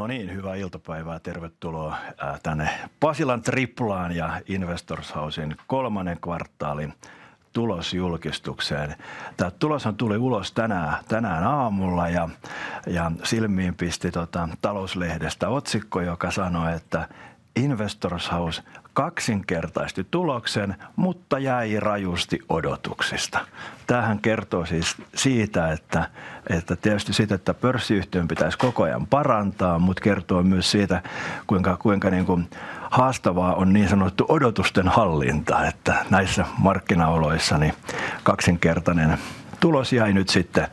No niin, hyvää iltapäivää! Tervetuloa tänne Pasilan Triplaan ja Investors Housen kolmannen kvartaalin tulosjulkistukseen. Tämä tulos tuli ulos tänään aamulla ja silmiin pisti Talouslehdestä otsikko, joka sanoi, että Investors House kaksinkertaisti tuloksen, mutta jäi rajusti odotuksista. Tämä kertoo siitä, että pörssiyhtiön pitäisi koko ajan parantaa, mutta kertoo myös siitä, kuinka haastavaa on niin sanottu odotusten hallinta, että näissä markkinaoloissa kaksinkertainen tulos jäi nyt sitten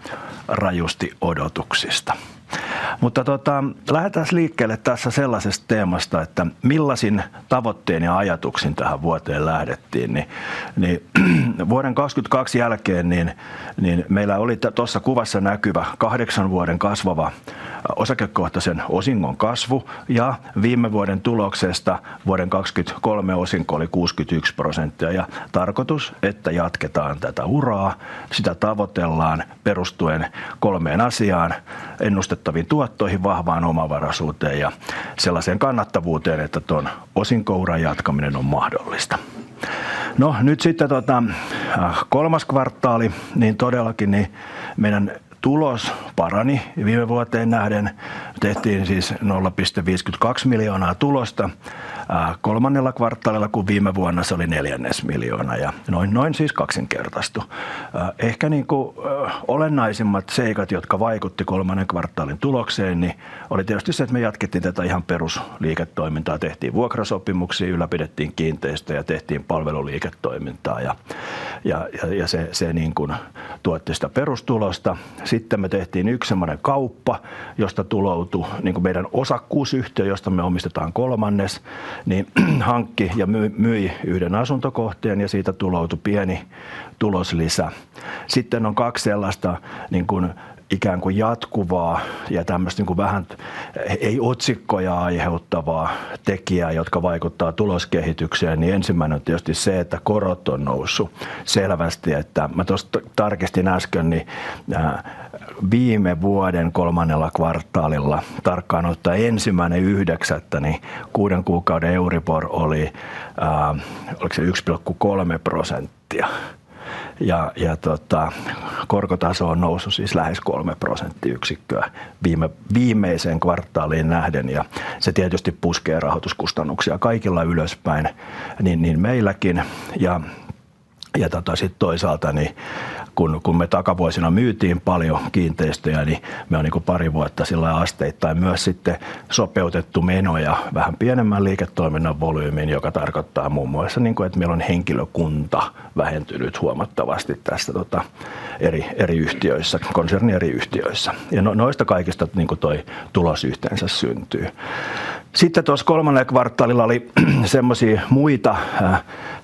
rajusti odotuksista. Lähdetään liikkeelle tässä sellaisesta teemasta, että millaisin tavoittein ja ajatuksin tähän vuoteen lähdettiin vuoden 2022 jälkeen. Meillä oli tuossa kuvassa näkyvä kahdeksan vuoden kasvava osakekohtaisen osingon kasvu ja viime vuoden tuloksesta vuoden 2023 osinko oli 61% ja tarkoitus, että jatketaan tätä uraa. Sitä tavoitellaan perustuen kolmeen asiaan: ennustettaviin tuottoihin, vahvaan omavaraisuuteen ja sellaiseen kannattavuuteen, että tuon osinkouran jatkaminen on mahdollista. Kolmas kvartaali, niin todellakin meidän tulos parani viime vuoteen nähden. Tehtiin siis €0.52 miljoonaa tulosta kolmannella kvartaalilla, kun viime vuonna se oli €0.25 miljoonaa, eli se kaksinkertaistui. Ehkä olennaisimmat seikat, jotka vaikutti kolmannen kvartaalin tulokseen, oli tietysti se, että me jatkettiin tätä perusliiketoimintaa. Tehtiin vuokrasopimuksia, ylläpidettiin kiinteistöjä, tehtiin palveluliiketoimintaa ja se tuotti sitä perustulosta. Sitten me tehtiin yksi kauppa, josta tuloutu meidän osakkuusyhtiö, josta me omistetaan kolmannes, hankki ja myi yhden asuntokohteen ja siitä tuloutu pieni tuloslisä. Sitten on kaksi sellaista jatkuvaa tekijää, jotka vaikuttaa tuloskehitykseen. Ensimmäinen on tietysti se, että korot on noussu selvästi. Että mä tuosta tarkistin äsken, niin viime vuoden kolmannella kvartaalilla, tarkkaan ottaen syyskuun ensimmäinen, niin kuuden kuukauden euribor oli, oliko se 1,3%, ja korkotaso on noussut siis lähes kolme prosenttiyksikköä viimeiseen kvartaaliin nähden, ja se tietysti puskee rahoituskustannuksia kaikilla ylöspäin, niin meilläkin. Sitten toisaalta, kun me takavuosina myytiin paljon kiinteistöjä, niin me on pari vuotta asteittain myös sitten sopeutettu menoja vähän pienemmän liiketoiminnan volyymiin, joka tarkoittaa muun muassa, että meillä on henkilökunta vähentynyt huomattavasti tässä eri yhtiöissä, konsernin eri yhtiöissä, ja noista kaikista toi tulos yhteensä syntyy. Sitten tuossa kolmannella kvartaalilla oli semmosia muita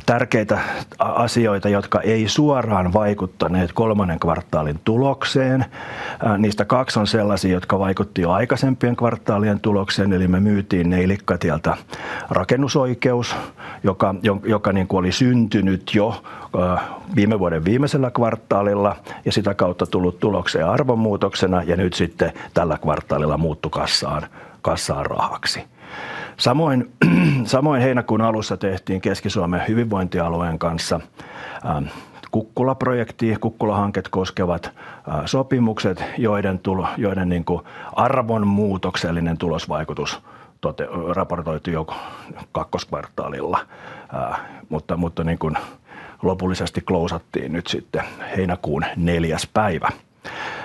tärkeitä asioita, jotka ei suoraan vaikuttaneet kolmannen kvartaalin tulokseen. Niistä kaksi on sellaisia, jotka vaikutti jo aikaisempien kvartaalien tulokseen. Eli me myytiin Neilikkatieltä rakennusoikeus, joka oli syntynyt jo viime vuoden viimeisellä kvartaalilla ja sitä kautta tullut tulokseen arvonmuutoksena ja nyt sitten tällä kvartaalilla muuttui kassaan rahaksi. Samoin heinäkuun alussa tehtiin Keski-Suomen hyvinvointialueen kanssa Kukkula-projekti. Kukkula-hankkeet koskevat sopimukset, joiden arvonmuutoksellinen tulosvaikutus raportoitiin jo kakkoskvartaalilla, mutta lopullisesti klousattiin nyt sitten heinäkuun neljäs päivä.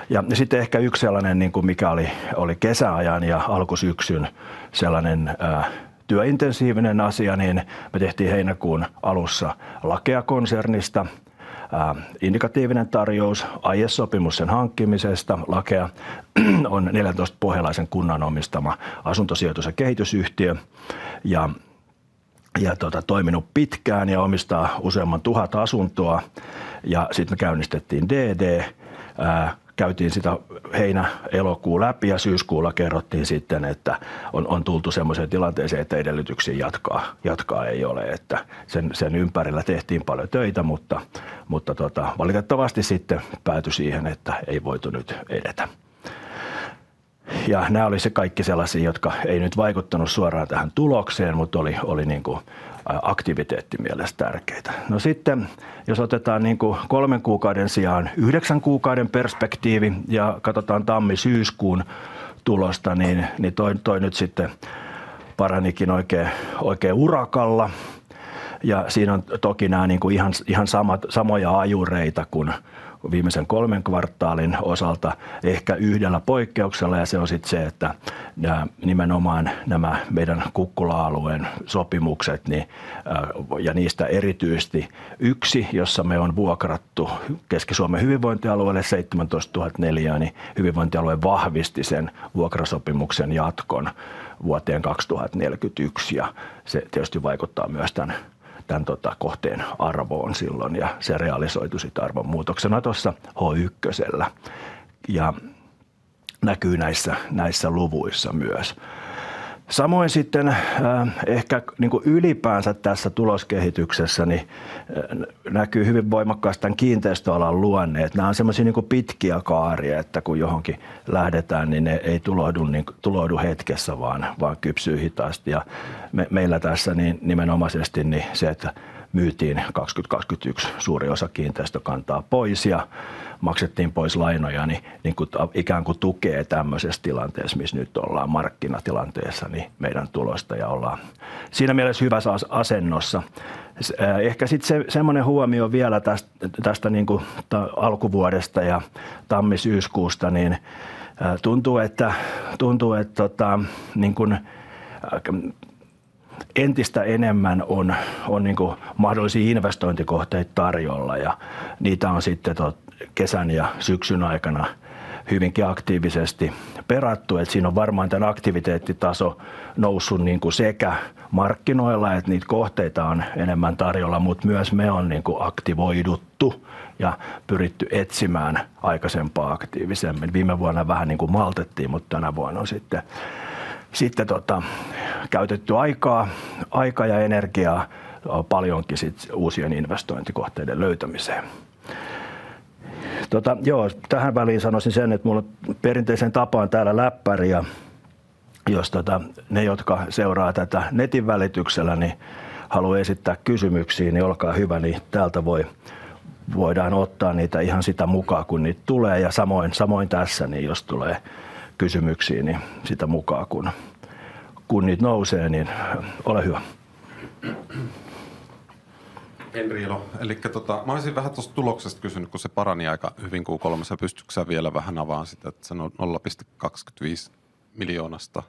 Ja sitten ehkä yksi sellainen, mikä oli kesäajan ja alkusyksyn työintensiivinen asia, niin me tehtiin heinäkuun alussa Lakea-konsernista indikatiivinen tarjous, aiesopimus sen hankkimisesta. Lakea on neljäntoista pohjalaisen kunnan omistama asuntosijoitus- ja kehitysyhtiö, ja toiminut pitkään ja omistaa useamman tuhat asuntoa. Ja sitten käynnistettiin DD. Käytiin sitä heinä-elokuu läpi ja syyskuulla kerrottiin sitten, että on tultu semmoiseen tilanteeseen, että edellytyksiä jatkaa ei ole, että sen ympärillä tehtiin paljon töitä, mutta valitettavasti sitten päätyi siihen, että ei voitu nyt edetä. Nää oli kaikki sellaisia, jotka ei nyt vaikuttanut suoraan tähän tulokseen, mutta oli aktiviteettimielessä tärkeitä. Jos otetaan kolmen kuukauden sijaan yhdeksän kuukauden perspektiivi ja katsotaan tammi-syyskuun tulosta, niin toi nyt sitten paranikin oikein urakalla. Siinä on toki nää samat ajureita kuin viimeisen kolmen kvartaalin osalta. Ehkä yhdellä poikkeuksella, ja se on sitten se, että nimenomaan nämä meidän Kukkula-alueen sopimukset, ja niistä erityisesti yksi, jossa me on vuokrattu Keski-Suomen hyvinvointialueelle 17,000 neliötä, niin hyvinvointialue vahvisti sen vuokrasopimuksen jatkon vuoteen 2041, ja se tietysti vaikuttaa myös tämän kohteen arvoon silloin, ja se realisoituu sitten arvonmuutoksena tuossa ja näkyy näissä luvuissa myös. Samoin sitten ehkä ylipäänsä tässä tuloskehityksessä niin näkyy hyvin voimakkaasti tämän kiinteistöalan luonne, että nämä on semmoisia pitkiä kaaria, että kun johonkin lähdetään, niin ne ei tuloudu hetkessä, vaan kypsyy hitaasti. Ja meillä tässä nimenomaisesti niin se, että myytiin 2022 suuri osa kiinteistökantaa pois ja maksettiin pois lainoja, niin ikään kuin tukee tämänkaltaisessa tilanteessa, missä nyt ollaan markkinatilanteessa, niin meidän tulosta ja ollaan siinä mielessä hyvässä asemassa. Ehkä sitten sellainen huomio vielä tästä alkuvuodesta ja tammi-syyskuusta, niin tuntuu, että entistä enemmän on mahdollisia investointikohteita tarjolla ja niitä on sitten kesän ja syksyn aikana hyvinkin aktiivisesti perattu. Siinä on varmaan tämä aktiviteettitaso noussut sekä markkinoilla, että niitä kohteita on enemmän tarjolla, mutta myös me ollaan aktivoiduttu ja pyritty etsimään aikaisempaa aktiivisemmin. Viime vuonna vähän maltettiin, mutta tänä vuonna on sitten käytetty aikaa ja energiaa paljonkin uusien investointikohteiden löytämiseen. Joo, tähän väliin sanoisin sen, että mulla on perinteiseen tapaan täällä läppäri, ja jos ne, jotka seuraa tätä netin välityksellä, haluaa esittää kysymyksiä, niin olkaa hyvä, täältä voidaan ottaa niitä sitä mukaa kun niitä tulee. Samoin tässä, jos tulee kysymyksiä, niin sitä mukaa kun niitä nousee, niin ole hyvä. Henri Elo. Eli tota mä olisin vähän tuosta tuloksesta kysynyt, kun se parani aika hyvin Q3:ssa. Pystytkö sä vielä vähän avaamaan sitä, että se on 0.25 miljoonasta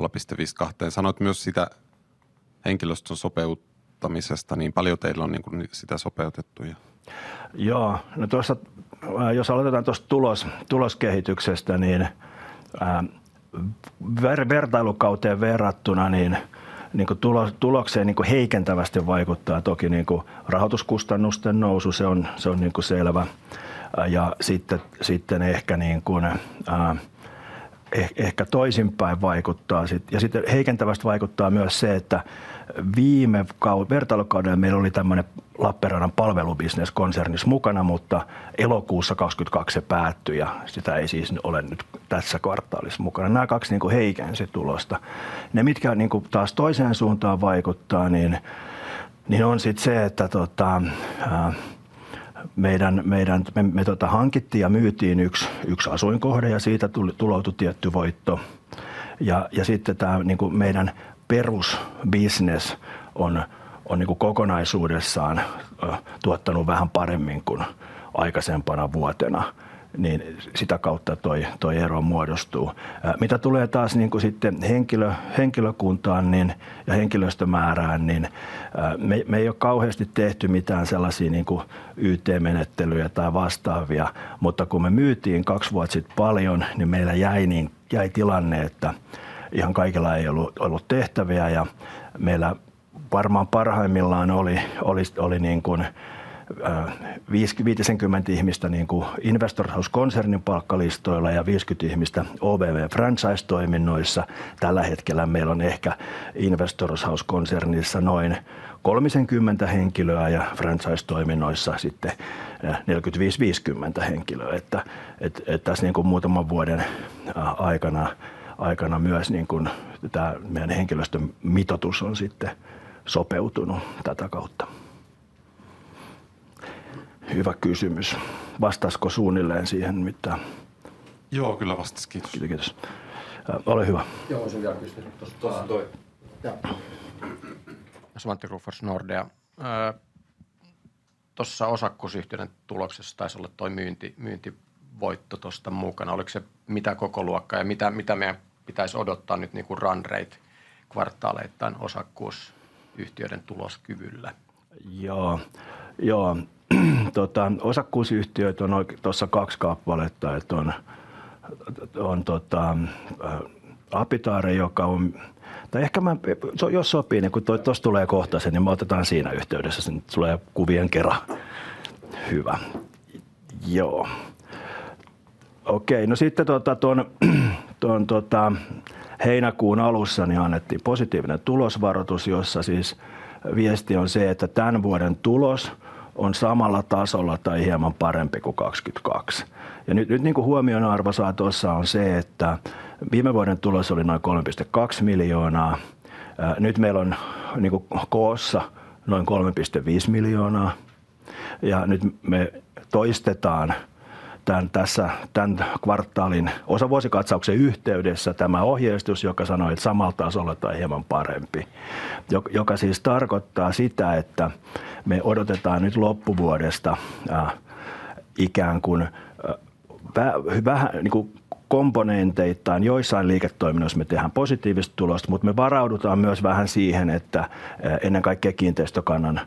0.58:aan? Sanoit myös siitä henkilöstön sopeuttamisesta, niin paljon teillä on sitä sopeutettu ja. Joo, no tuossa, jos aloitetaan tuosta tuloskehityksestä, niin vertailukauteen verrattuna tulokseen heikentävästi vaikuttaa toki rahoituskustannusten nousu. Se on selvä. Sitten ehkä toisinpäin vaikuttaa sit. Sitten heikentävästi vaikuttaa myös se, että viime vertailukaudella meillä oli tämmönen Lappeenrannan palvelubisnes konsernissa mukana, mutta elokuussa 2022 se päättyi ja sitä ei siis ole nyt tässä kvartaalissa mukana. Nää kaksi heikensi tulosta. Ne, mitkä taas toiseen suuntaan vaikuttaa, on sit se, että meidän me hankittiin ja myytiin yks asuinkohde ja siitä tuli tietty voitto. Sitten tää meidän perusbisnes on kokonaisuudessaan tuottanut vähän paremmin kuin aikaisempana vuotena, niin sitä kautta toi ero muodostuu. Mitä tulee henkilökuntaan ja henkilöstömäärään, niin me ei olla kauheasti tehty mitään sellaisia YT-menettelyjä tai vastaavia, mutta kun me myytiin kaksi vuotta sitten paljon, niin meillä jäi tilanne, että ihan kaikilla ei ollut tehtäviä ja meillä varmaan parhaimmillaan oli viitisenkymmentä ihmistä Investors House -konsernin palkkalistoilla ja viisikymmentä ihmistä OVV franchise-toiminnoissa. Tällä hetkellä meillä on ehkä Investors House -konsernissa noin kolmekymmentä henkilöä ja franchise-toiminnoissa sitten neljäkymmentäviisi viisikymmentä henkilöä. Että tässä muutaman vuoden aikana myös tämä meidän henkilöstömitoitus on sitten sopeutunut tätä kautta. Hyvä kysymys! Vastasiko suunnilleen siihen, mitä... Joo, kyllä vastaa. Kiitos. Kiitos, kiitos. Ole hyvä. Joo, sen jälkeen tuosta tuo. Joo. Jasvant Kruufors, Nordea. Tuossa osakkuusyhtiöiden tuloksessa taisi olla tuo myyntivoitto tuosta mukana. Oliko se mitä kokoluokkaa ja mitä meidän pitäisi odottaa nyt niinku run rate kvartaaleittain osakkuusyhtiöiden tuloskyvyllä? Joo, joo, kaikki osakkuusyhtiöt on tuossa kaksi kappaletta, että on Apitaare, joka on... tai ehkä mä, jos sopii, niin kun toi tossa tulee kohta se, niin me otetaan siinä yhteydessä. Se tulee kuvien kera. Hyvä. Joo, okei. No sitten tuon heinäkuun alussa niin annettiin positiivinen tulosvaroitus, jossa siis viesti on se, että tän vuoden tulos on samalla tasolla tai hieman parempi kuin 2022. Ja nyt huomionarvoisaa tuossa on se, että viime vuoden tulos oli noin 3,2 miljoonaa. Nyt meillä on koossa noin 3,5 miljoonaa. Ja nyt me toistetaan tässä kvartaalin osavuosikatsauksen yhteydessä tämä ohjeistus, joka sanoo, että samalla tasolla tai hieman parempi. Joka siis tarkoittaa sitä, että me odotetaan nyt loppuvuodesta... Ikään kuin vähän niinku komponenteittain joissain liiketoiminnoissa me tehdään positiivista tulosta, mutta me varaudutaan myös vähän siihen, että ennen kaikkea kiinteistökannan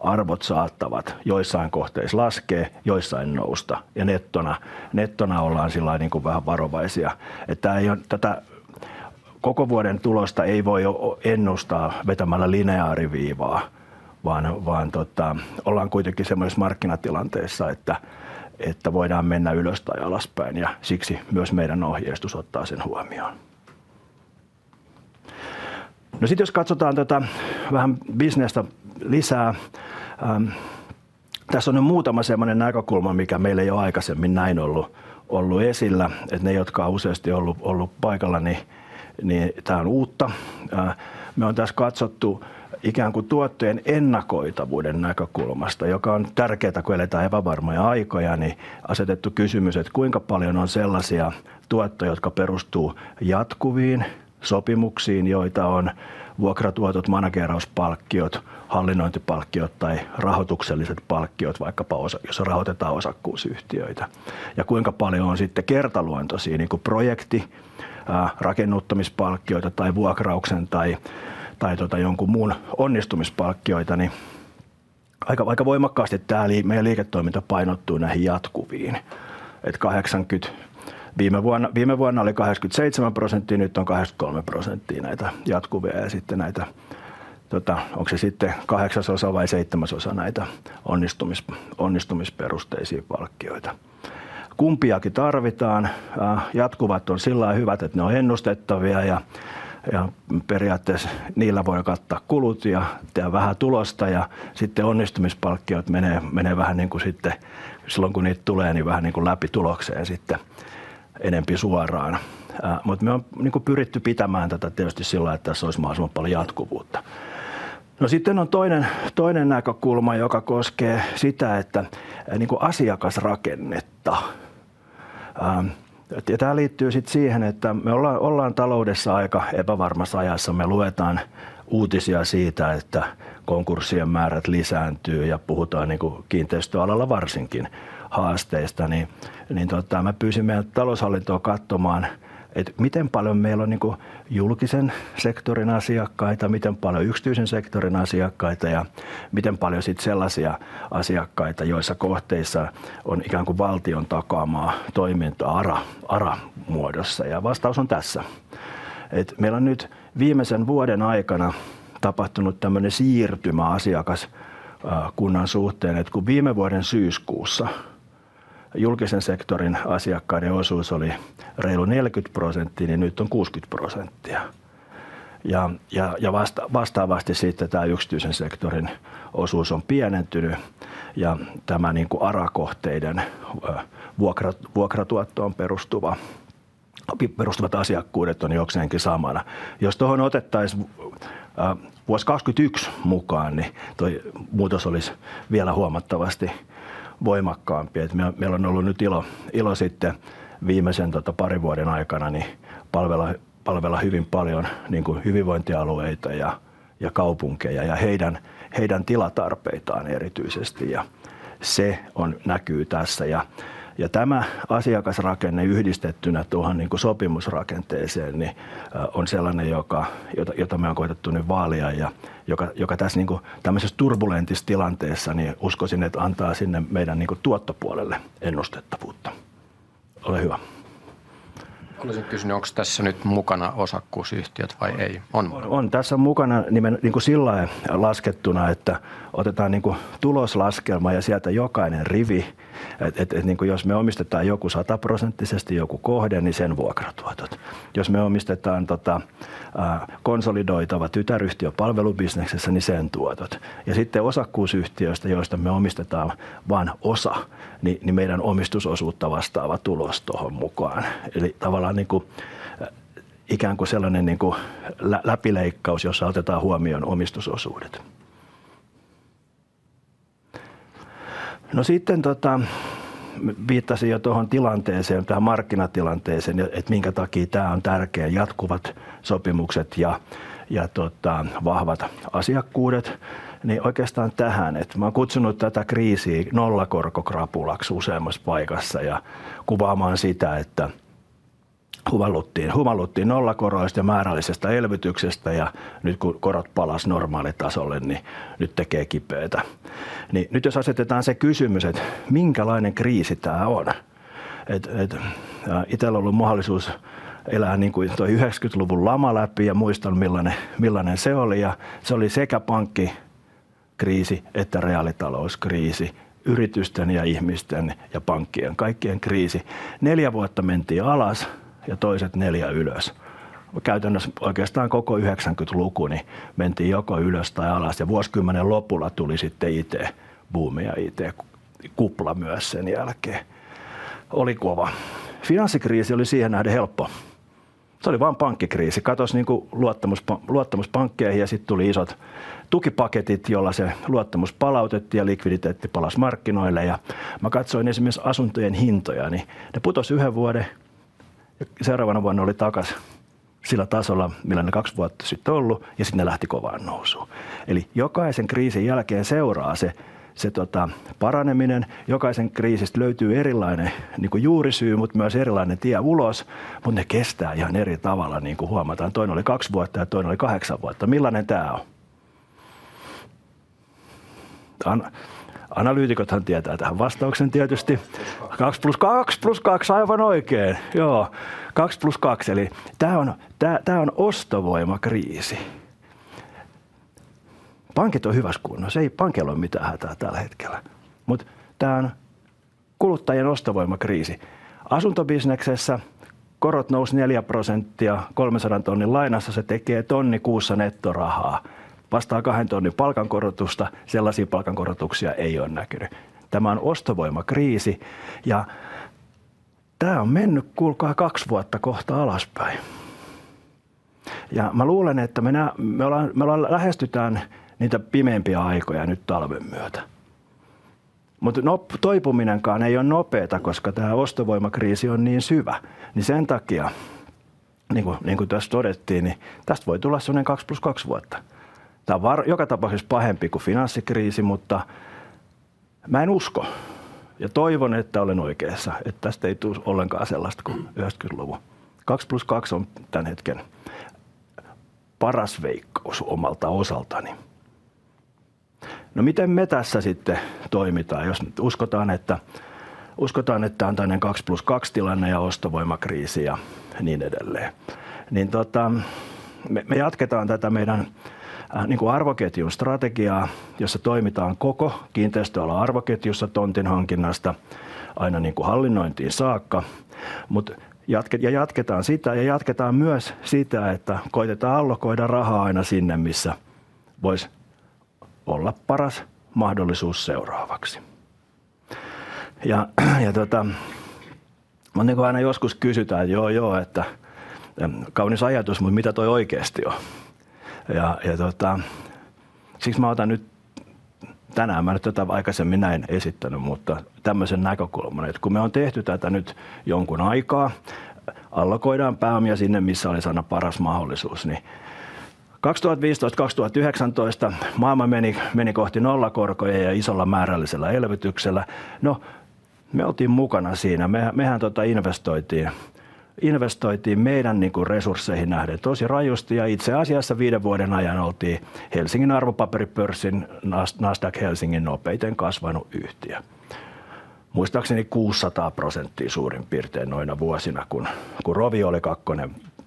arvot saattavat joissain kohteissa laskea, joissain nousta ja nettona ollaan sillai vähän varovaisia, että tää ei ole tätä koko vuoden tulosta ei voi ennustaa vetämällä lineaariviivaa, vaan ollaan kuitenkin semmoisessa markkinatilanteessa, että voidaan mennä ylös- tai alaspäin ja siksi myös meidän ohjeistus ottaa sen huomioon. No sitten jos katsotaan tuota vähän bisnestä lisää. Tässä on nyt muutama semmonen näkökulma, mikä meillä ei ole aikaisemmin näin ollut esillä, että ne, jotka on useasti ollut paikalla, niin tää on uutta. Me on tässä katsottu ikään kuin tuottojen ennakoitavuuden näkökulmasta, joka on tärkeää, kun eletään epävarmoja aikoja, niin asetettu kysymys, että kuinka paljon on sellaisia tuottoja, jotka perustuu jatkuviin sopimuksiin, joita on vuokratuotot, manageerauspalkkiot, hallinnointipalkkiot tai rahoitukselliset palkkiot, vaikkapa osa, jos rahoitetaan osakkuusyhtiöitä? Ja kuinka paljon on sitten kertaluontoisia, niin kuin projekti... rakennuttamispalkkioita tai vuokrauksen tai jonkun muun onnistumispalkkioita, niin aika voimakkaasti tämä meidän liiketoiminta painottuu näihin jatkuviin. Että kahdeksankymmentä, viime vuonna oli kahdeksankymmentäseitsemän prosenttia, nyt on kahdeksankymmentäkolme prosenttia näitä jatkuvia ja sitten näitä onko se sitten kahdeksasosa vai seitsemäsosa näitä onnistumisperusteisia palkkioita. Kumpiakaan tarvitaan. Jatkuvat on sillai hyviä, että ne on ennustettavia ja periaatteessa niillä voi kattaa kulut ja tehdä vähän tulosta. Ja sitten onnistumispalkkiot menee vähän niin kuin sitten silloin, kun niitä tulee, niin vähän niin kuin läpi tulokseen sitten enemmän suoraan. Mutta me on pyritty pitämään tätä tietysti sillai, että se olisi mahdollisimman paljon jatkuvuutta. No, sitten on toinen näkökulma, joka koskee sitä asiakasrakennetta. Ja tämä liittyy siihen, että me ollaan taloudessa aika epävarmassa ajassa. Me luetaan uutisia siitä, että konkurssien määrät lisääntyy ja puhutaan kiinteistöalalla varsinkin haasteista, niin pyysin meidän taloushallintoa katsomaan, että miten paljon meillä on julkisen sektorin asiakkaita, miten paljon yksityisen sektorin asiakkaita ja miten paljon sitten sellaisia asiakkaita, joissa kohteissa on ikään kuin valtion takaamaa toimintaa ARA-muodossa. Vastaus on tässä, että meillä on nyt viimeisen vuoden aikana tapahtunut tämänlainen siirtymä asiakaskunnan suhteen, että kun viime vuoden syyskuussa julkisen sektorin asiakkaiden osuus oli reilu 40%, niin nyt on 60%. Vastaavasti sitten tämä yksityisen sektorin osuus on pienentynyt, ja tämä ARA-kohteiden vuokratuottoon perustuvat asiakkuudet on jokseenkin samana. Jos tohon otettaisiin vuosi 2022 mukaan, niin tuo muutos olisi vielä huomattavasti voimakkaampi, että meillä on ollut nyt ilo sitten viimeisen parin vuoden aikana palvella hyvin paljon hyvinvointialueita ja kaupunkeja ja heidän tilatarpeitaan erityisesti, ja se näkyy tässä. Tämä asiakasrakenne yhdistettynä tuohon sopimusrakenteeseen on sellainen, jota me olemme koittaneet nyt vaalia ja joka tässä tällaisessa turbulentissa tilanteessa uskoisi antavan meidän tuottopuolelle ennustettavuutta. Ole hyvä! Olisin kysynyt, onko tässä nyt mukana osakkuusyhtiöt vai ei? On mukana. Tässä on mukana nimen... niinkuin sillai laskettuna, että otetaan niinkuin tuloslaskelma ja sieltä jokainen rivi. Että jos me omistetaan joku sataprosenttisesti joku kohde, niin sen vuokratuotot. Jos me omistetaan konsolidoitava tytäryhtiö palvelubisneksessä, niin sen tuotot ja sitten osakkuusyhtiöistä, joista me omistetaan vaan osa, niin meidän omistusosuutta vastaava tulos tohon mukaan. Eli tavallaan niinkuin ikään kuin sellanen läpileikkaus, jossa otetaan huomioon omistusosuudet. Sitten viittasin jo tohon tilanteeseen, tähän markkinatilanteeseen, että minkä takia tää on tärkeä, jatkuvat sopimukset ja vahvat asiakkuudet, niin oikeastaan tähän, että mä oon kutsunut tätä kriisiä nollakorkokrapulaksi useammassa paikassa ja kuvaamaan sitä, että humalluttiin nollakoroista ja määrällisestä elvytyksestä, ja nyt kun korot palasi normaalitasolle, niin nyt tekee kipeää. Nyt jos asetetaan se kysymys, että minkälainen kriisi tää on? Ja itellä on ollut mahdollisuus elää niinku toi yhdeksänkytluvun lama läpi ja muistan, millainen se oli, ja se oli sekä pankkikriisi että reaalitalouskriisi. Yritysten ja ihmisten ja pankkien, kaikkien kriisi. Neljä vuotta mentiin alas ja toiset neljä ylös. Käytännössä oikeestaan koko yhdeksänkytluku mentiin joko ylös tai alas, ja vuosikymmenen lopulla tuli sitten IT-buumi ja IT-kupla myös sen jälkeen. Oli kova. Finanssikriisi oli siihen nähden helppo. Se oli vaan pankkikriisi. Katosi niinku luottamus pankkeihin ja sitten tuli isot tukipaketit, joilla se luottamus palautettiin ja likviditeetti palasi markkinoille. Ja mä katsoin esimerkiksi asuntojen hintoja, niin ne putosi yhden vuoden ja seuraavana vuonna oli takaisin sillä tasolla, millainen kaksi vuotta sitten oli ollut, ja sitten ne lähti kovaan nousuun. Eli jokaisen kriisin jälkeen seuraa se paraneminen. Jokaisesta kriisistä löytyy erilainen niinku juurisyy, mutta myös erilainen tie ulos. Mutta ne kestää ihan eri tavalla, niinku huomataan. Toinen oli kaksi vuotta ja toinen oli kahdeksan vuotta. Millainen tämä on? Analyytikothan tietää tähän vastauksen tietysti. Kaksi plus kaksi, kaksi plus kaksi, aivan oikein! Joo, kaksi plus kaksi, eli tämä on ostovoiman kriisi. Pankit ovat hyvässä kunnossa, ei pankeilla ole mitään hätää tällä hetkellä, mutta tämä on kuluttajien ostovoiman kriisi. Asuntobisneksessä korot nousivat 4%. Kolmensadan tonnin lainassa se tekee tonni kuussa nettorahaa, vastaa kahden tonnin palkankorotusta. Sellaisia palkankorotuksia ei ole näkynyt. Tämä on ostovoiman kriisi, ja tämä on mennyt kuulkaa kaksi vuotta kohta alaspäin. Ja minä luulen, että me näemme, me olemme, me lähestymme niitä pimeimpiä aikoja nyt talven myötä. Mutta toipuminenkaan ei ole nopeaa, koska tämä ostovoiman kriisi on niin syvä, niin sen takia, niinkuin tässä todettiin, niin tästä voi tulla sellainen kaksi plus kaksi vuotta. Tämä on varmasti... Joka tapauksessa pahempi kuin finanssikriisi, mutta mä en usko ja toivon, että olen oikeassa, että tästä ei tule ollenkaan sellaista kuin yhdeksänkytluku. Kaksi plus kaksi on tän hetken paras veikkaus omalta osaltani. Miten me tässä sitten toimitaan, jos nyt uskotaan, että tää on tämmoinen kaksi plus kaksi -tilanne ja ostovoimakriisi ja niin edelleen? Me jatketaan tätä meidän arvoketjun strategiaa, jossa toimitaan koko kiinteistöalan arvoketjussa tontin hankinnasta aina hallinnointiin saakka. Jatketaan sitä ja jatketaan myös sitä, että koitetaan allokoida rahaa aina sinne, missä voisi olla paras mahdollisuus seuraavaksi. Aina joskus kysytään, että joo-joo, että kaunis ajatus, mutta mitä toi oikeasti on? Jaa, jaa totta, siksi mä otan nyt tänään, mä en oo tätä aikaisemmin näin esittänyt, mutta tämmöisen näkökulman, että kun me on tehty tätä nyt jonkun aikaa, allokoidaan pääomia sinne, missä olisi aina paras mahdollisuus, niin 2015-2019 maailma meni kohti nollakorkoja ja isolla määrällisellä elvytyksellä. No, me oltiin mukana siinä. Mehän investoitiin meidän resursseihin nähden tosi rajusti ja itse asiassa viiden vuoden ajan oltiin Helsingin Arvopaperipörssin Nasdaq Helsingin nopeiten kasvanut yhtiö. Muistaakseni 600% suurin piirtein noina vuosina, kun Rovio oli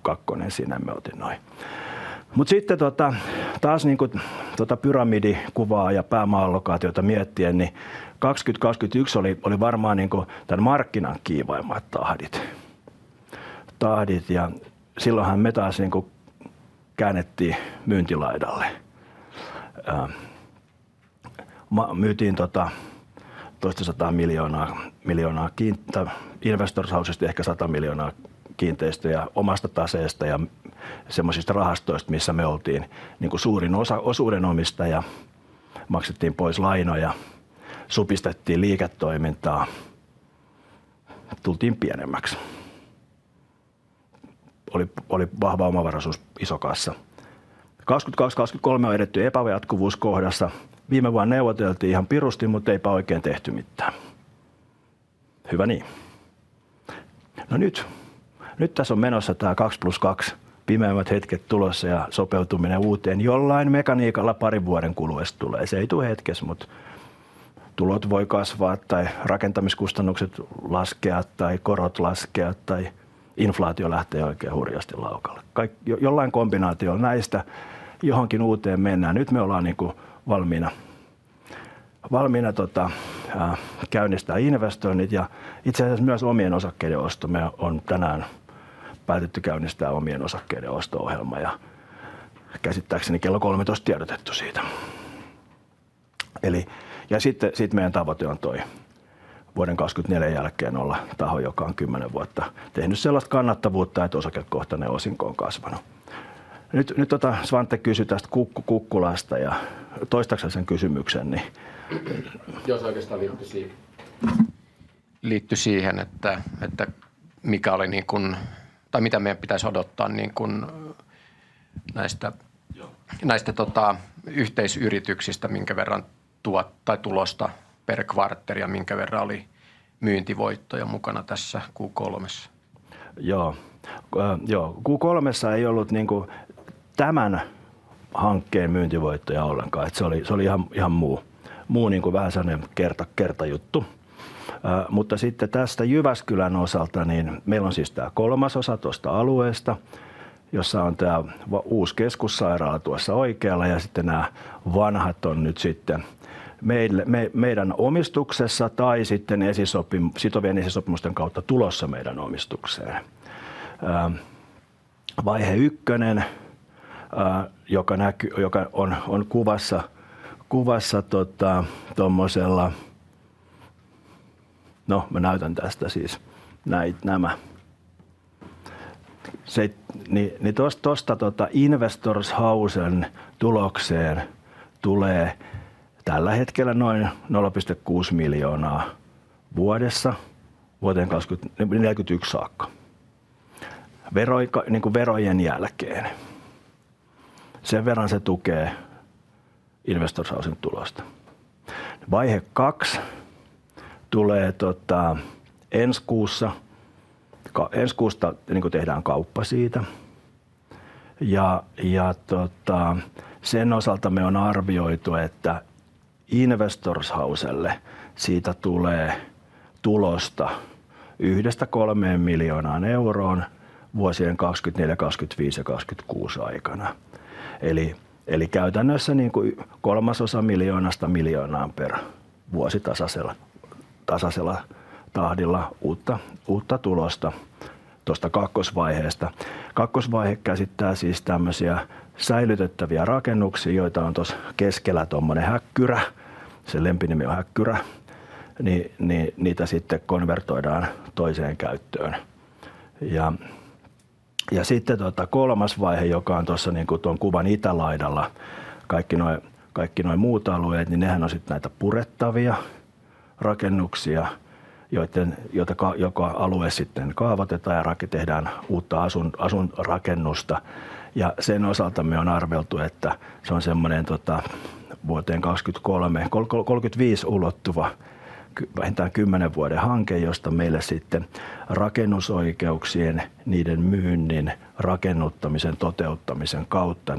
kakkonen siinä, me oltiin ykkönen. Mutta sitten taas pyramidikuvaa ja pääallokaatioita miettien, niin 2020-2022 oli varmaan tän markkinan kiivaimmat tahdit, ja silloinhan me taas käännettiin myyntilaidalle. Myytiin toista sataa miljoonaa € Investorhousesta, ehkä sata miljoonaa € kiinteistöjä omasta taseesta ja semmoisista rahastoista, missä me oltiin suurin osakkeenomistaja. Maksettiin pois lainoja, supistettiin liiketoimintaa, tultiin pienemmäksi. Oli vahva omavaraisuus, iso kassa. 2022-2023 on edetty epäjatkuvuuskohdassa. Viime vuonna neuvoteltiin ihan pirusti, mutta ei oikein tehty mitään. Hyvä niin. Nyt täässä on menossa tämä kaksi plus kaksi. Pimeimmät hetket tulossa ja sopeutuminen uuteen jollain mekaniikalla parin vuoden kuluessa tulee. Se ei tule hetkessä, mutta tulot voivat kasvaa tai rakentamiskustannukset laskea tai korot laskea tai inflaatio lähtee oikein hurjasti laukalle. Jollain kombinaatiolla näistä johonkin uuteen mennään. Nyt me ollaan valmiina käynnistämään investoinnit ja itse asiassa myös omien osakkeiden osto. Me on tänään päätetty käynnistää omien osakkeiden osto-ohjelma ja käsittääkseni kello 13:00 tiedotettu siitä. Sitten meidän tavoite on tuo vuoden 2024 jälkeen olla taho, joka on kymmenen vuotta tehnyt sellaista kannattavuutta, että osakekohtainen osinko on kasvanut. Nyt Svante kysyi tästä Kukkulasta ja toistaakseni sen kysymyksen... Joo, se oikeestaan liittyi siihen. Liittyi siihen, että mikä oli niinkun tai mitä meidän pitäisi odottaa näistä. Joo. Näistä yhteisyrityksistä, minkä verran tuottoa tai tulosta per kvartaali ja minkä verran oli myyntivoittoja mukana tässä Q3:ssa? Joo, kolmessa ei ollut tämän hankkeen myyntivoittoja ollenkaan, että se oli ihan muu semmonen kertajuttu. Mutta sitten tästä Jyväskylän osalta, meillä on siis tää kolmasosa tosta alueesta, jossa on tää uus keskussairaala tuossa oikealla ja sitten nää vanhat on nyt sitten meille, meidän omistuksessa tai sitten sitovien esisopimusten kautta tulossa meidän omistukseen. Vaihe ykkönen, joka näkyy kuvassa tommosella... No mä näytän tästä siis näit nämä. Tosta Investor Housen tulokseen tulee tällä hetkellä noin 0,6 miljoonaa vuodessa vuoteen 2041 saakka. Verojen jälkeen. Sen verran se tukee Investor Housen tulosta. Vaihe kaksi tulee ensi kuussa, ensi kuussa tehdään kauppa siitä. Sen osalta me on arvioitu, että Investors Houselle siitä tulee tulosta yhdestä kolmeen miljoonaan euroon vuosien 2024, 2025 ja 2026 aikana. Käytännössä kolmasosa miljoonasta miljoonaan per vuosi tasaisella tahdilla uutta tulosta tuosta kakkosvaiheesta. Kakkosvaihe käsittää säilytettäviä rakennuksia, joita on tuossa keskellä tuommoinen häkkyrä. Sen lempinimi on häkkyrä, niitä sitten konvertoidaan toiseen käyttöön. Sitten kolmas vaihe, joka on tuossa tuon kuvan itälaidalla. Kaikki nuo muut alueet, ne on näitä purettavia rakennuksia, jotka jokainen alue sitten kaavoitetaan ja tehdään uutta asuinrakennusta. Ja sen osalta me on arveltu, että se on semmonen vuoteen 2035 ulottuva vähintään kymmenen vuoden hanke, josta meille sitten rakennusoikeuksien, niiden myynnin, rakennuttamisen, toteuttamisen kautta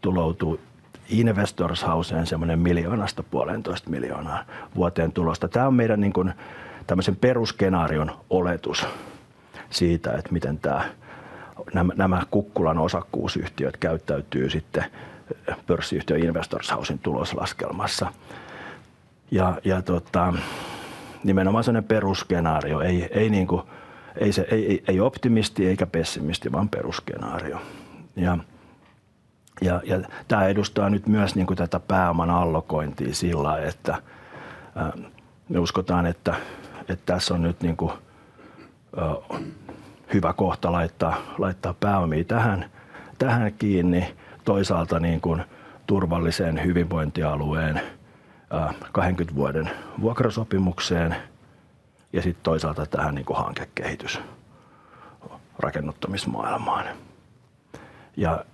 tuloutuu Investors Houseen semmonen miljoonasta puoleentoista miljoonaan vuoteen tulosta. Tää on meidän niinkun tämmösen perusskenaarion oletus siitä, miten nämä Kukkulan osakkuusyhtiöt käyttäytyy sitten pörssiyhtiö Investors Housen tuloslaskelmassa. Ja nimenomaan semmonen perusskenaario. Ei optimisti eikä pessimisti, vaan perusskenaario. Ja tää edustaa nyt myös niinkun tätä pääoman allokointia sillai, että me uskotaan, että täs on nyt niinkun hyvä kohta laittaa pääomia tähän kiinni. Toisaalta niinkun turvalliseen hyvinvointialueen kahdenkymmenen vuoden vuokrasopimukseen ja sit toisaalta tähän niinkun hankekehitys rakennuttamismaailmaan. Ja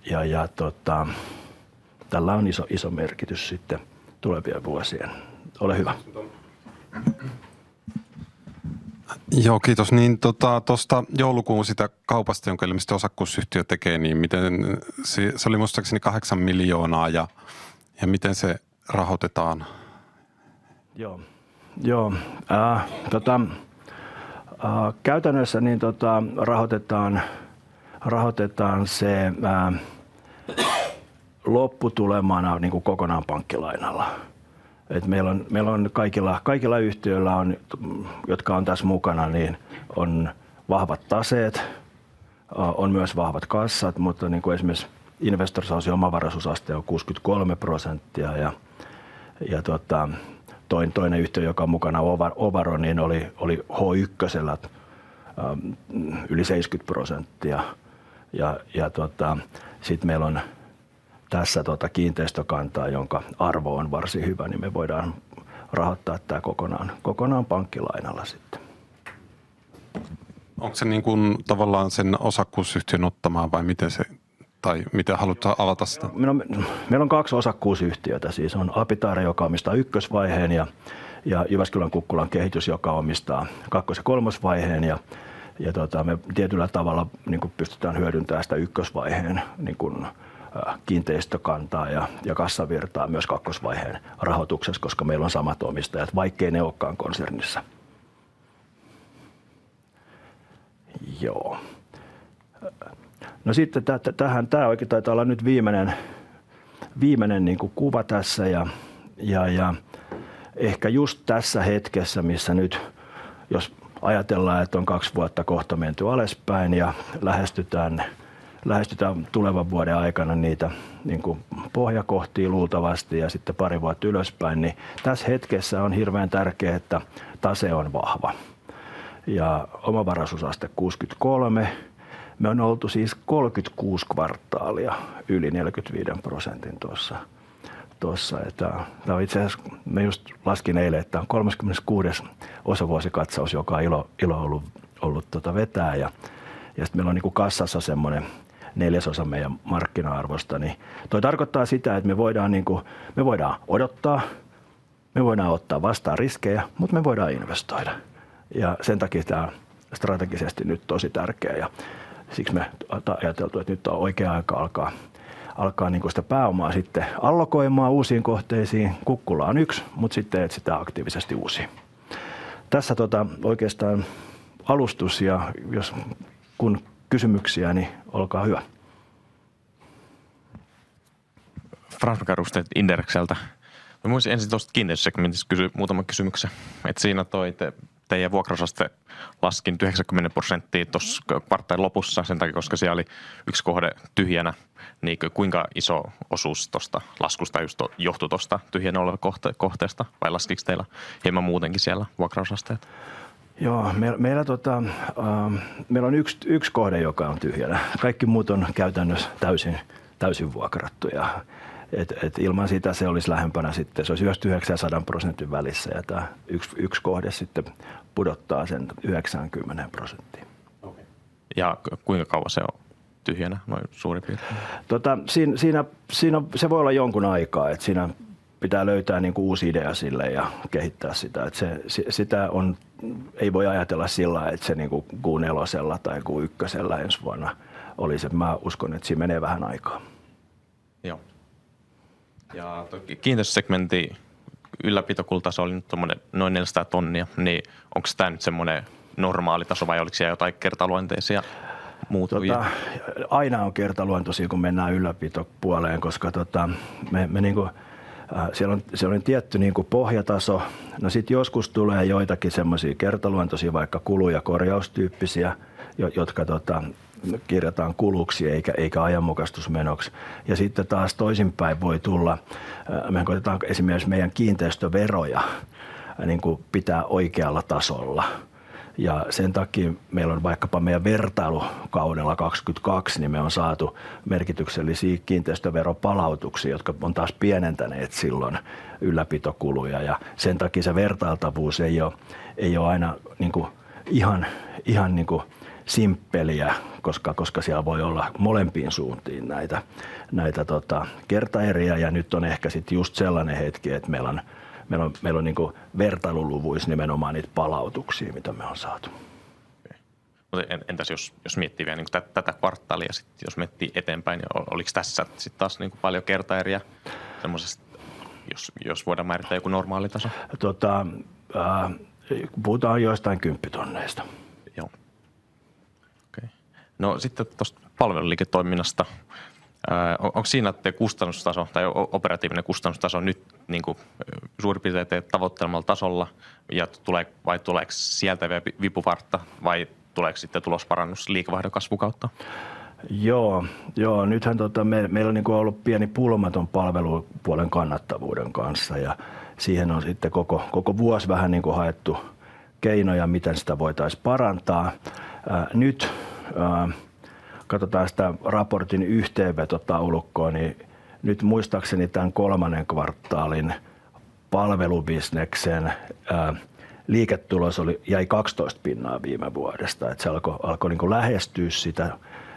tällä on iso merkitys sitten tulevien vuosien. Ole hyvä! Joo, kiitos! Niin tota tosta joulukuun siitä kaupasta, jonka ilmeisesti osakkuusyhtiö tekee, niin miten se... Se oli muistaakseni kahdeksan miljoonaa ja miten se rahoitetaan? Joo, joo. Käytännössä rahoitetaan se lopputulemana kokonaan pankkilainalla. Meillä on kaikilla yhtiöillä, jotka on tässä mukana, vahvat taseet. On myös vahvat kassat, mutta esimerkiksi Investors Housen omavaraisuusaste on 63% ja toinen yhtiö, joka on mukana Ovarro, oli viime vuonna yli 70%. Meillä on tässä kiinteistökantaa, jonka arvo on varsin hyvä, niin me voidaan rahoittaa tämä kokonaan pankkilainalla sitten. Onko se niinkuin tavallaan sen osakkuusyhtiön ottamaa vai miten se? Tai miten halutaan avata sitä? Meillä on, meillä on kaksi osakkuusyhtiötä. Siis on Apitaari, joka omistaa ykkösvaiheen ja Jyväskylän Kukkulan kehitys, joka omistaa kakkos- ja kolmosvaiheen. Ja me tietyllä tavalla pystytään hyödyntää sitä ykkösvaiheen kiinteistökantaa ja kassavirtaa myös kakkosvaiheen rahoituksessa, koska meillä on samat omistajat, vaikkei ne ole konsernissa. Joo. No sitten tämä taitaa olla nyt viimeinen kuva tässä. Ja ehkä juuri tässä hetkessä, missä nyt, jos ajatellaan, että on kaksi vuotta kohta menty alaspäin ja lähestytään tulevan vuoden aikana niitä pohjakohtia luultavasti ja sitten pari vuotta ylöspäin, niin tässä hetkessä on hirveän tärkeää, että tase on vahva ja omavaraisuusaste 63%. Me on oltu siis 36 kvartaalia yli 45% tuossa, että tämä on itseasiassa me juuri laskin eilen, että tämä on 36. osavuosikatsaus, joka on ollut ilo vetää. Ja sit meillä on niinku kassassa semmonen neljäsosa meidän markkina-arvosta, ni toi tarkoittaa sitä, että me voidaan niinku, me voidaan odottaa. Me voidaan ottaa vastaan riskejä, mut me voidaan investoida, ja sen takia tää on strategisesti nyt tosi tärkeä. Ja siksi me ajateltu, että nyt on oikea aika alkaa, alkaa niinku sitä pääomaa sitten allokoimaan uusiin kohteisiin. Kukkula on yks, mut sit etsitään aktiivisesti uusia. Tässä tota oikeestaan alustus, ja jos kun kysymyksiä, niin olkaa hyvä! Frans Makarusta Inderexältä. Mä voisin ensin tosta kiinteistösegmentistä kysyä muutaman kysymyksen. Että siinä toi te, teidän vuokrausaste laski 90%:iin tuossa kvartaalin lopussa sen takia, koska siellä oli yksi kohde tyhjänä, niin kuinka iso osuus tosta laskusta just johtui tosta tyhjänä olevasta kohteesta? Vai laskiko teillä hieman muutenkin siellä vuokrausasteet? Joo, meillä on yks kohde, joka on tyhjänä. Kaikki muut on käytännössä täysin vuokrattuja. Ilman sitä se olis lähempänä, sitten se ois 90% ja 100% välissä, ja tää yks kohde sitten pudottaa sen 90%. Okei, ja kuinka kauan se on tyhjänä noin suurin piirtein? Tota, siinä se voi olla jonkun aikaa, että siinä pitää löytää uusi idea sille ja kehittää sitä, että se, sitä on, ei voi ajatella sillain, että se Q nelosella tai Q ykkösellä ensi vuonna olisi. Mä uskon, että siinä menee vähän aikaa. Joo. Ja toi kiinteistösegmentin ylläpitokulutaso oli nyt tommonen noin 400 tonnia, niin onks tää nyt semmonen normaalitaso vai oliks siellä jotain kertaluonteisia muutoksia? Totta, aina on kertaluontoisia, kun mennään ylläpitopuolelle, koska me... siellä on se tietty pohja-taso. Sitten joskus tulee joitakin sellaisia kertaluontoisia, vaikkapa kulu- ja korjaustyyppisiä, jotka kirjataan kuluksi eikä ajanmukaistusmenoksi. Sitten taas toisinpäin voi tulla. Me koitetaan esimerkiksi meidän kiinteistöveroja pitää oikealla tasolla, ja sen takia meillä on vaikkapa meidän vertailukaudella 2022, niin me on saatu merkityksellisiä kiinteistöveropalautuksia, jotka on taas pienentäneet silloin ylläpitokuluja. Sen takia se vertailtavuus ei ole aina ihan simppeliä, koska siellä voi olla molempiin suuntiin näitä kertaeriä. Nyt on ehkä sitten juuri sellainen hetki, että meillä on vertailuluvuissa nimenomaan niitä palautuksia, mitä me on saatu. Okei, mutta entäs jos miettii vielä niinku tätä kvartaalia? Sitten jos miettii eteenpäin, niin oliko tässä sitten taas niinku paljon kertaeriä semmoisessa, jos voidaan määrittää joku normaalitaso? Totta, puhutaan joistain kymppitonnista. Joo, okei. No sitten tosta palveluliiketoiminnasta. Onks siinä teidän kustannustaso tai operatiivinen kustannustaso nyt niinku suurin piirtein tavoittelemalla tasolla? Ja tuleeks sieltä vai tuleeks sieltä vielä vipuvartaa, vai tuleeks sitten tulosparannus liikevaihdon kasvun kautta? Joo, nyt meillä on ollut pieni pulma palvelupuolen kannattavuuden kanssa, ja siihen on koko vuoden ajan haettu keinoja, miten sitä voitaisiin parantaa. Nyt katsotaan raportin yhteenvetotaulukkoa, niin muistaakseni kolmannen kvartaalin palvelubisneksen liiketulos jäi 12% viime vuodesta, että se alkoi lähestyä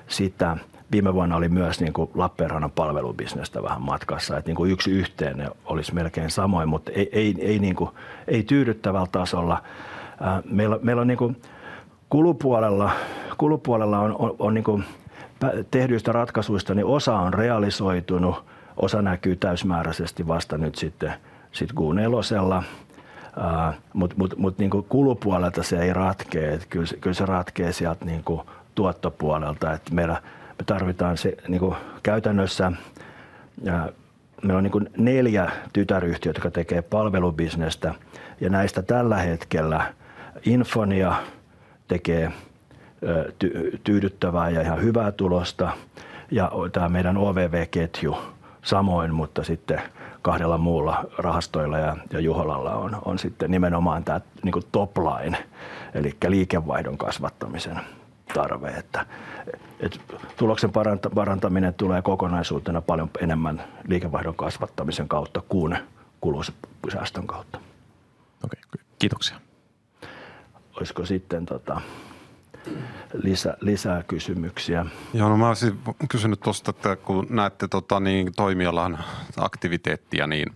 sitä. Viime vuonna oli myös Lappeenrannan palvelubisnes vähän matkassa, että yhdessä ne olisivat melkein samoin, mutta ei tyydyttävällä tasolla. Meillä on kulupuolella tehdyistä ratkaisuista osa realisoitunut, osa näkyy täysmääräisesti vasta Q4:llä. Mutta kulupuolelta se ei ratkea, että kyllä se ratkeaa tuottopuolelta, että meillä... Me tarvitaan se niinku käytännössä, ja meillä on niinku neljä tytäryhtiötä, jotka tekee palvelubisnestä, ja näistä tällä hetkellä Infonia tekee tyydyttävää ja ihan hyvää tulosta, ja tää meidän OVV-ketju samoin, mutta sitten kahdella muulla rahastoilla ja Juholalla on sitten nimenomaan tää niinku top line eli liikevaihdon kasvattamisen tarve, että tuloksen parantaminen tulee kokonaisuutena paljon enemmän liikevaihdon kasvattamisen kautta kuin kulusäästön kautta. Okei, kiitoksia! Olisiko sitten tuota lisää, lisää kysymyksiä? Joo, no mä oisin kysynyt tosta, että kun näette tota toimialan aktiviteettia, niin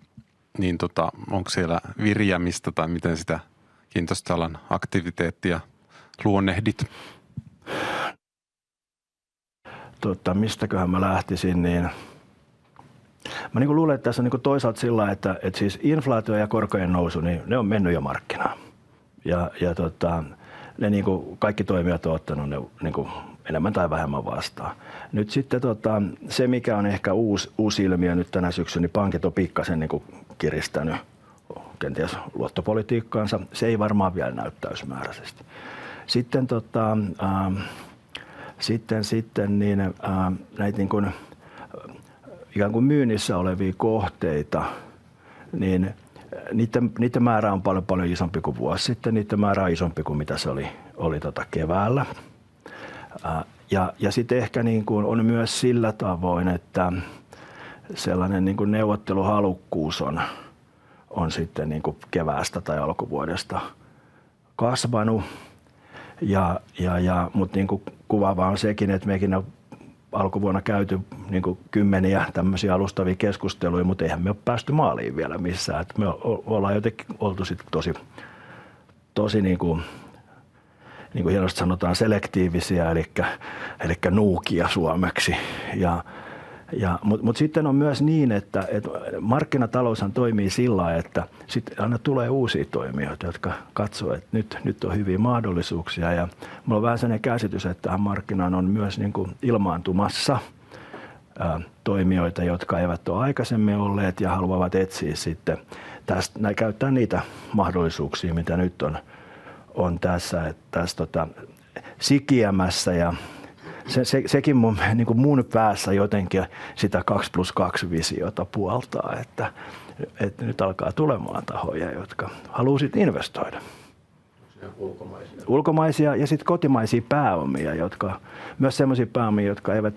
onks siellä viriämistä tai miten sitä kiinteistöalan aktiviteettia luonnehdit? No mistäköhän mä lähtisin, niin mä luulen, että tässä on toisaalta sillai, että inflaatio ja korkojen nousu, ne on mennyt jo markkinaan, ja ne kaikki toimijat on ottanut ne enemmän tai vähemmän vastaan. Nyt sitten se, mikä on ehkä uusi ilmiö nyt tänä syksynä, niin pankit on pikkasen kiristänyt kenties luottopolitiikkaansa. Se ei varmaan vielä näy täysmääräisesti. Sitten näitä myynnissä olevia kohteita, niin niiden määrä on paljon, paljon isompi kuin vuosi sitten. Niiden määrä on isompi kuin mitä se oli keväällä. Ja sitten ehkä on myös sillä tavoin, että sellainen neuvotteluhalukkuus on sitten keväästä tai alkuvuodesta kasvanut. Ja, ja, ja mutta niinku kuvaavaa on sekin, että mekin on alkuvuonna käyty niinku kymmeniä tämmösiä alustavia keskusteluja, mutta eihän me oo päästy maaliin vielä missään, että me ollaan jotenkin oltu sitten tosi, tosi niinku, niinku hienosti sanotaan selektiivisiä eli eli nuukia suomeksi. Ja, ja mutta sitten on myös niin, että että markkinatalous toimii sillai, että sitten aina tulee uusia toimijoita, jotka katsoo, että nyt, nyt on hyviä mahdollisuuksia. Ja mulla on vähän sellainen käsitys, että tähän markkinaan on myös niinku ilmaantumassa toimijoita, jotka eivät oo aikaisemmin olleet ja haluavat etsiä sitten tästä... käyttää niitä mahdollisuuksia, mitä nyt on, on tässä, että täs tota sikiämässä. Ja se, se, sekin mun niinku mun päässä jotenkin sitä kaks plus kaks -visiota puoltaa, että että nyt alkaa tulemaan tahoja, jotka haluu sitten investoida. Onks ne ulkomaisia? Ulkomaisia ja sitten kotimaisia pääomia, jotka myös sellaisia pääomia, jotka eivät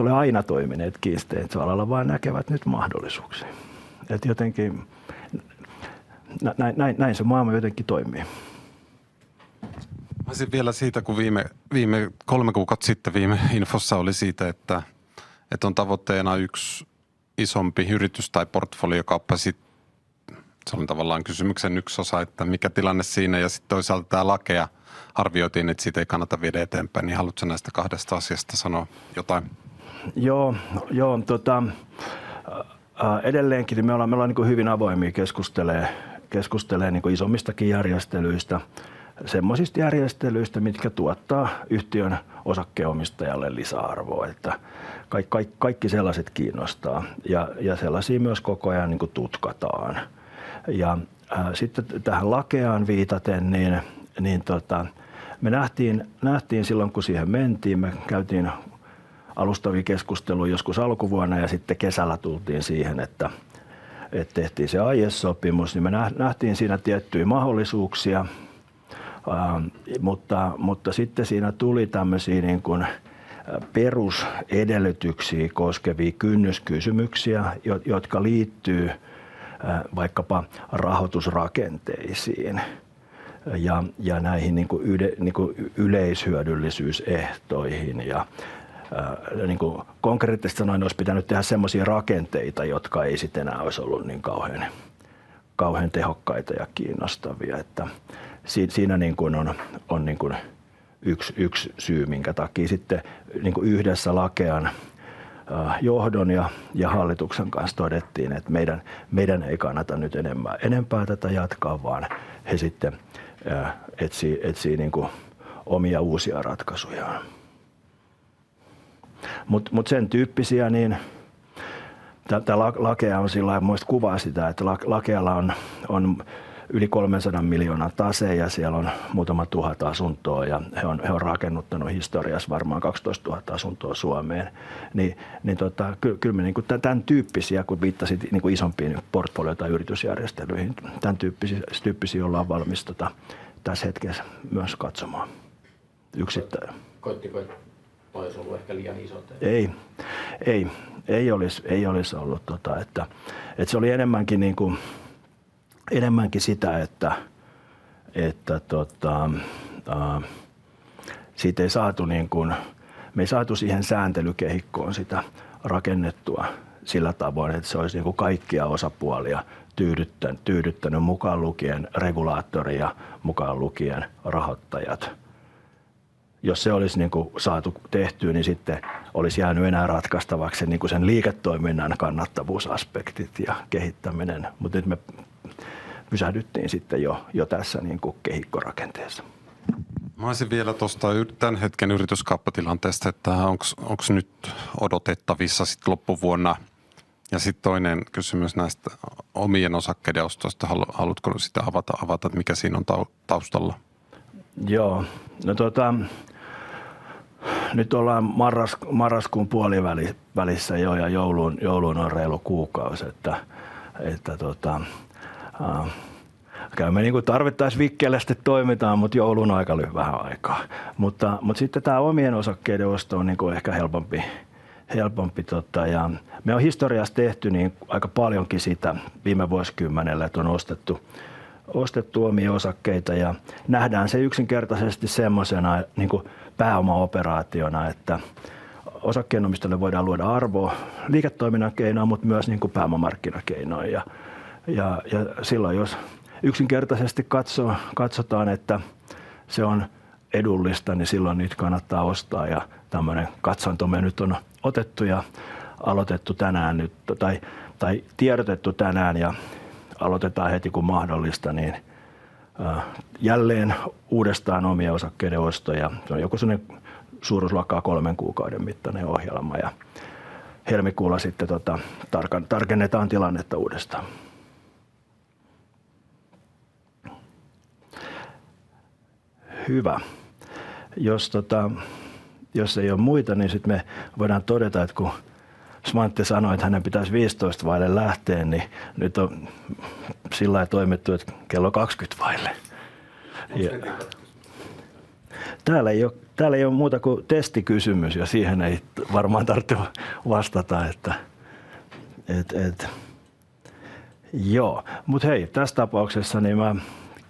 ole aina toimineet kiinteistöalalla, vaan näkevät nyt mahdollisuuksia. Jotenkin näin se maailma toimii. Mä kysyn vielä siitä, kun viime kolme kuukautta sitten viime infossa oli siitä, että on tavoitteena yksi isompi yritys- tai portfoliokauppa. Sitten se on tavallaan kysymyksen yksi osa, että mikä tilanne siinä? Ja sitten toisaalta tää Lakea arvioitiin, että sitä ei kannata viedä eteenpäin, niin haluatko näistä kahdesta asiasta sanoa jotain? Joo, joo, tota, edelleenkin me ollaan, me ollaan niinku hyvin avoimia keskustelemaan, keskustelemaan niinku isommistakin järjestelyistä, semmosista järjestelyistä, mitkä tuottaa yhtiön osakkeenomistajalle lisäarvoa. Että kaikki sellaset kiinnostaa ja, ja sellaisia myös koko ajan niinku tutkataan. Ja sitten tähän Lakeaan viitaten, niin, niin tota, me nähtiin, nähtiin silloin ku siihen mentiin, me käytiin alustavia keskusteluja joskus alkuvuonna ja sitten kesällä tultiin siihen, että, että tehtiin se aiesopimus, niin me nähtiin siinä tiettyjä mahdollisuuksia. Mutta, mutta sitten siinä tuli tämmösiä niin kun perusedellytyksiä koskevia kynnyskysymyksiä, jotka liittyy vaikkapa rahoitusrakenteisiin ja, ja näihin niinku yleishyödyllisyysehtoihin. Ja niinku konkreettisesti sanoen ois pitänyt tehdä semmosia rakenteita, jotka ei sitten enää ois ollut niin kauhean, kauhean tehokkaita ja kiinnostavia. Että siinä niinkun on yks syy, minkä takii sitten niinku yhdessä Lakean johdon ja hallituksen kanssa todettiin, että meidän ei kannata nyt enempää tätä jatkaa, vaan he sitten etsii niinku omia uusia ratkaisujaan. Mutta sen tyyppisiä niin tää Lakea on sillai musta kuvaa sitä, että Lakealla on yli kolmensadan miljoonan tase ja siellä on muutama tuhat asuntoa, ja he on rakennuttaneet historiassa varmaan kaksitoista tuhatta asuntoa Suomeen. Niin kyllä me niinku tän tyyppisiä, kun viittasit niinku isompiin portfolio- tai yritysjärjestelyihin, tän tyyppisiä ollaan valmiita tässä hetkessä myös katsomaan yksittäin. Koittiko ois ollu ehkä liian iso? Ei, ei, ei olisi, ei olisi ollut. Tota, että se oli enemmänkin niinkuin, enemmänkin sitä, että tota... siitä ei saatu niinkuin me ei saatu siihen sääntelykehikkoon sitä rakennettua sillä tavoin, että se olisi niinkuin kaikkia osapuolia tyydyttänyt, mukaan lukien regulaattori ja mukaan lukien rahoittajat. Jos se olisi niinkuin saatu tehtyä, niin sitten olisi jäänyt enää ratkaistavaksi niinkuin sen liiketoiminnan kannattavuusaspektit ja kehittäminen. Mutta että me pysähdyttiin sitten jo tässä niinkuin kehikkorakenteessa. Mä oisin vielä tosta tän hetken yrityskauppatilanteesta, että onko nyt odotettavissa sitten loppuvuonna? Ja sitten toinen kysymys näistä omien osakkeiden ostoista. Haluatko sä sitä avata, että mikä siinä on taustalla? Joo, nyt ollaan marraskuun puolivälissä jo ja jouluun on reilu kuukaus, että kyllä me tarvittaessa vikkelästi toimitaan, mutta joulunaika on vähän aikaa. Mutta sitten tämä omien osakkeiden osto on ehkä helpompi, ja me on historiassa tehty aika paljon sitä viime vuosikymmenellä, että on ostettu omia osakkeita ja nähdään se yksinkertaisesti sellaisena pääomaoperaationa, että osakkeenomistajille voidaan luoda arvoa liiketoiminnan keinoin, mutta myös pääomamarkkinakeinoin. Ja silloin jos yksinkertaisesti katsotaan, että se on edullista, niin silloin niitä kannattaa ostaa. Ja tämänlainen katsanto me nyt on otettu ja aloitettu tänään. Nyt on tiedotettu tänään ja aloitetaan heti kun mahdollista jälleen uudestaan omien osakkeiden ostoja. Se on jonkin suuruusluokan kolmen kuukauden mittainen ohjelma, ja helmikuulla sitten tarkennetaan tilannetta uudestaan. Hyvä! Jos totta, jos ei ole muita, niin sitten me voidaan todeta, että kun Smantti sanoi, että hänen pitäisi viisitoista vaille lähteä, niin nyt on sillai toimittu, että kello kaksikymmentä vaille. Täällä ei ole, täällä ei ole muuta kuin testikysymys, ja siihen ei varmaan tarvitse vastata, että joo, mutta hei, tässä tapauksessa niin minä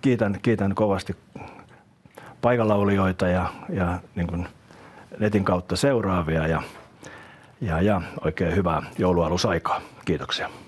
kiitän, kiitän kovasti paikallaolijoita ja niinkuin netin kautta seuraavia ja oikein hyvää joulunalusaikaa. Kiitoksia!